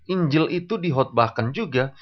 injil itu dihotbahkan juga